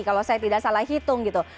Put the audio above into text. kalau saya tidak salah hitung gitu